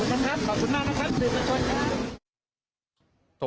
คุณผู้ชมครับขอบคุณมากนะครับสิผู้ชมครับ